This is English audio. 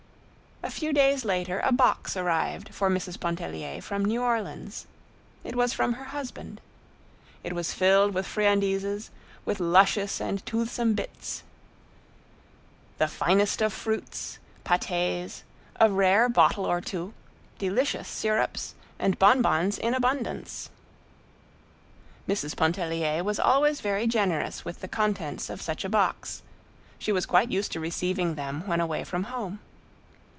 A few days later a box arrived for Mrs. Pontellier from New Orleans. It was from her husband. It was filled with friandises, with luscious and toothsome bits—the finest of fruits, patés, a rare bottle or two, delicious syrups, and bonbons in abundance. Mrs. Pontellier was always very generous with the contents of such a box; she was quite used to receiving them when away from home.